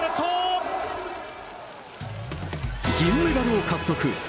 銀メダルを獲得。